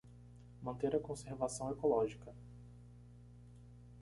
Manter a conservação ecológica